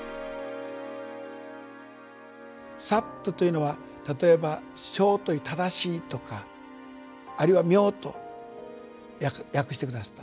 「サッ」というのは例えば「正」という正しいとかあるいは「妙」と訳して下さった。